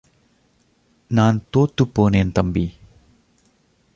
நான் தோத்துப்போனேன் தம்பி.